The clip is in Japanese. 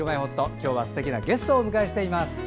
今日はすてきなゲストをお迎えしています。